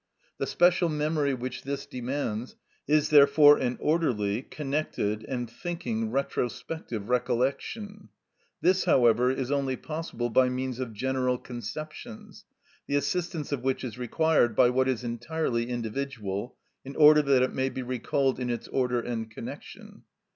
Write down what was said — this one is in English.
The special memory which this demands is therefore an orderly, connected, and thinking retrospective recollection. This, however, is only possible by means of general conceptions, the assistance of which is required by what is entirely individual, in order that it may be recalled in its order and connection.